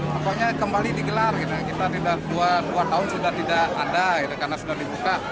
pokoknya kembali digelar kita tidak dua tahun sudah tidak ada karena sudah dibuka